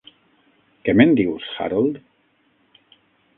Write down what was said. Què me'n dius, Harold?